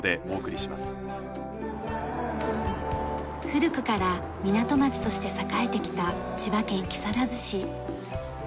古くから港町として栄えてきた千葉県木更津市。